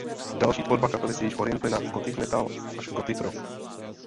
Další tvorba kapely se již orientuje na gothic metal až gothic rock.